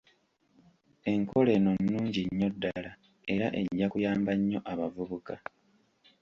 Enkola eno nnungi nnyo ddala era ejja kuyamba nnyo abavubuka.